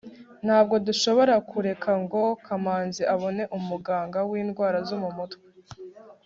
ntabwo dushobora kureka ngo kamanzi abone umuganga windwara zo mumutwe